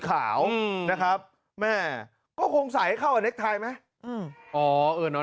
ค่ะครับแม่ก็คงใส่ให้เข้าอ่อนนร์เน็กไทยไหมอืมอ๋อเออนร์